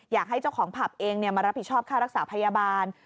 อยากให้เจ้าของผับเองมารับผิดชอบค่ารักษาพยาบาล